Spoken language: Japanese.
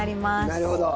なるほど。